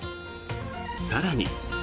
更に。